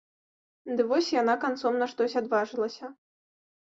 Ды вось яна канцом на штось адважылася.